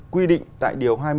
quy định tại điều hai mươi chín